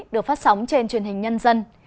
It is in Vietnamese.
được phát sóng trên truyền hình nhân dân